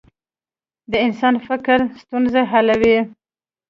د انسان فکر ستونزې حلوي.